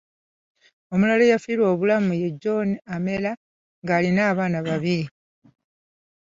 Omulala eyafiirwa obulamu ye John Amera, ng’alina abaana babiri .